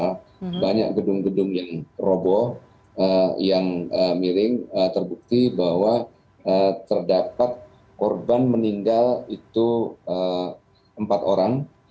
karena banyak gedung gedung yang robo yang miring terbukti bahwa terdapat korban meninggal itu empat orang